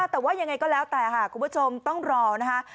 แต่ว่ายังไงก็แล้วแต่ค่ะคุณผู้ชมต้องรอนะคะ